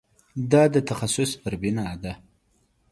دا د تخصص پر بنا ده.